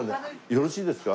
よろしいですか？